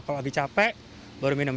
kalau lagi capek baru minum